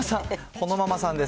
ほのママさんです。